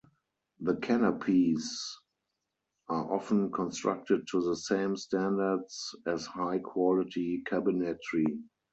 The canopies are often constructed to the same standards as high quality cabinetry.